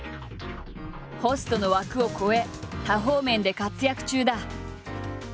ホストの枠を超え多方面で活躍中だ。